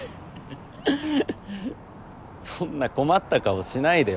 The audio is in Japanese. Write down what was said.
そんな困った顔しないでよ